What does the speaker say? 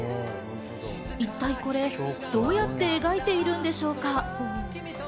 一体これ、どうやって描いているんでしょうか。